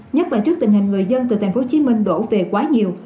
nhất là trước tình hình người dân từ tp hcm đổ về quá nhiều